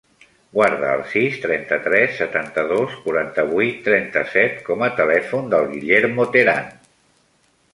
Guarda el sis, trenta-tres, setanta-dos, quaranta-vuit, trenta-set com a telèfon del Guillermo Teran.